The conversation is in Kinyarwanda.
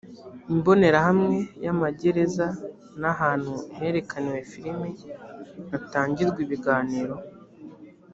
imbonerahamwe y’amagereza n’ ahantu herekaniwe filimi hatangirwa ibiganiro